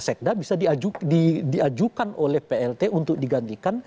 sekda bisa diajukan oleh plt untuk digantikan